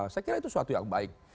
saya kira itu suatu yang baik